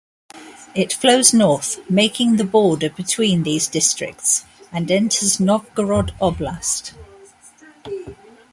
It flows north, making the border between these districts, and enters Novgorod Oblast.